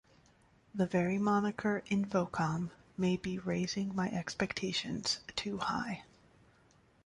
The very moniker "Infocom" may be raising my expectations too high".